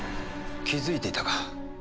気づいていたか。